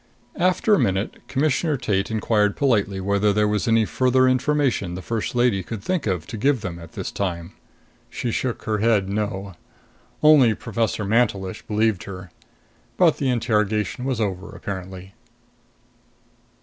After a minute, Commissioner Tate inquired politely whether there was any further information the First Lady could think of to give them at this time. She shook her head. No. Only Professor Mantelish believed her. But the interrogation was over, apparently.